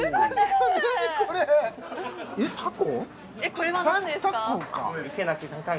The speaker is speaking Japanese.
これは何ですか？